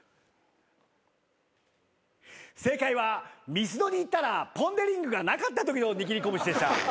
正解はミスドに行ったらポン・デ・リングがなかったときの握り拳でした。